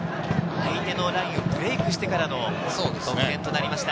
相手のラインをブレイクしてからの得点となりました。